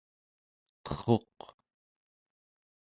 qerruq